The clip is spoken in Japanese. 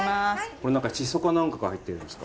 これシソか何かが入ってるんですか？